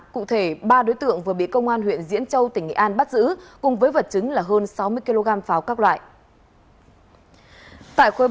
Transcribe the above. cụ thể ba đối tượng vừa bị công an huyện diễn châu tỉnh nghệ an bắt giữ cùng với vật chứng là hơn sáu mươi kg pháo các loại